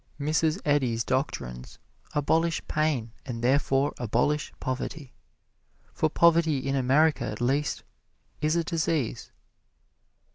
Mrs. Eddy's doctrines abolish pain and therefore abolish poverty, for poverty, in America at least, is a disease.